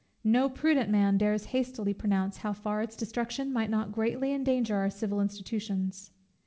No prudent man dares hastily pronounce how far its destruction might not greatly endanger our civil institutions.